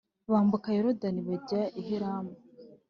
bambuka Yorodani bajya i Helamu.